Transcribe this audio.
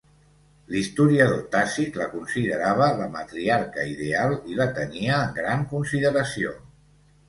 L'historiador Tàcit la considerava la matriarca ideal i la tenia en gran consideració.